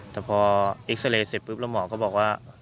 แต่พอเอ็กซาเรย์เสร็จปุ๊บแล้วหมอก็บอกว่า